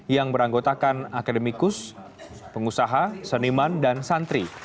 yang beranggotakan akademikus pengusaha seniman dan santri